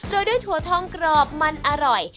โดยด้วยถั่วทองกรอบมันอร่อย